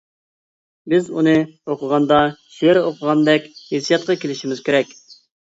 بىز ئۇنى ئوقۇغاندا شېئىر ئوقۇۋاتقاندەك ھېسسىياتقا كېلىشىمىز كېرەك.